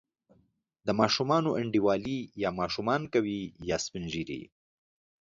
د ماشومانو انډیوالي یا ماشومان کوي، یا سپین ږیري.